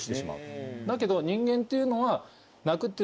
だけど人間っていうのは。